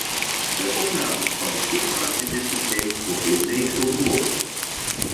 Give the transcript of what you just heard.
De opname van de scheepvaart in dit systeem wordt eveneens overwogen.